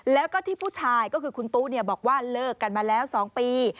แล้วก็ที่ผู้ชายก็คือคุณตู้บอกว่าเลิกกันมาแล้ว๒ปี